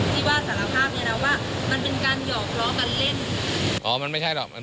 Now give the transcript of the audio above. ที่ว่าสารภาพนี่นะว่ามันเป็นการหยอกล้อกันเล่น